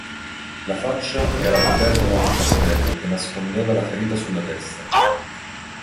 La faccia era coperta da un cappello, che nascondeva la ferita sulla testa.